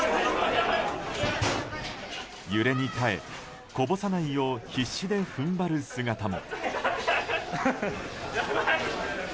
揺れに耐え、こぼさないよう必死で踏ん張る姿も。